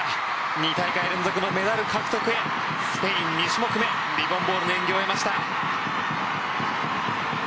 ２大会連続のメダル獲得へスペイン、２種目めリボン・ボールの演技を終えました。